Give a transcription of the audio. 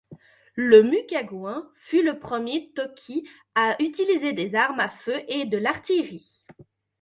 Lemucaguin fut le premier Toqui à utiliser des armes à feu et de l'artillerie.